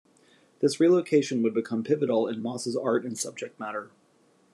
This relocation would become pivotal in Moss' art and subject matter.